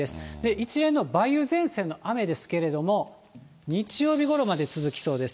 一連の梅雨前線の雨ですけれども、日曜日ごろまで続きそうです。